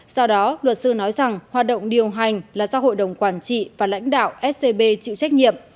sau đó luật sư nói rằng hoạt động điều hành là do hội đồng quản trị và lãnh đạo scb chịu trách nhiệm